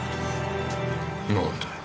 なんだよ？